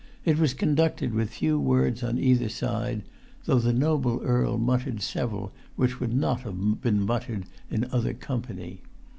It was conducted with few words on either side, though the noble Earl muttered several which would not have been muttered in other company.